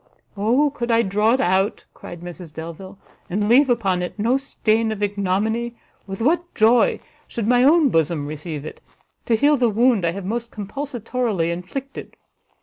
"O could I draw it out," cried Mrs Delvile, "and leave upon it no stain of ignominy, with what joy should my own bosom receive it, to heal the wound I have most compulsatorily inflicted!